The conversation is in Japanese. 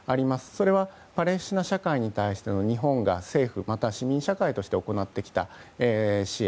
それはパレスチナ社会に対して日本の政府や市民社会として行ってきた支援。